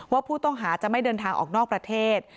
ว่าผู้ต้องหาจะไม่เดินทางออกนอกประเทศ